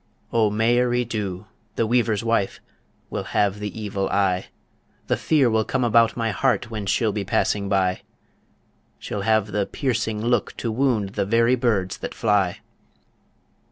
O Mairi Dhu, the weaver's wife, Will have the evil eye; The fear will come about my heart When she'll be passing by; She'll have the piercing look to wound The very birds that fly.